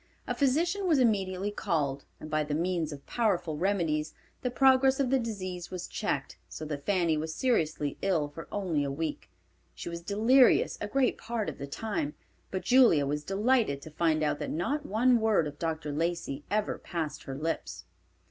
A physician was immediately called and by the means of powerful remedies the progress of the disease was checked, so that Fanny was seriously ill for only a week. She was delirious a great part of the time, but Julia was delighted to find out that not one word of Dr. Lacey ever passed her lips.